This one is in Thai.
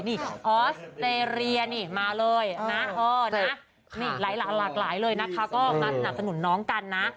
นี่ออสเตรเลียนี่มาเลยนะนี่หลายหลากหลายเลยนะคะก็มาสนับสนุนน้องกันนะ